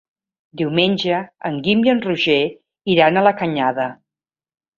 Diumenge en Guim i en Roger iran a la Canyada.